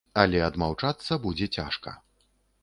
Але адмаўчацца будзе цяжка.